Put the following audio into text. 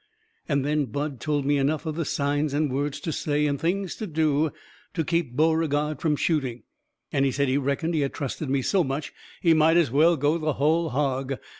And then Bud told me enough of the signs and words to say, and things to do, to keep Beauregard from shooting he said he reckoned he had trusted me so much he might as well go the hull hog.